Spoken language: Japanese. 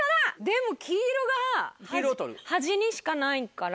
でも黄色が端にしかないから。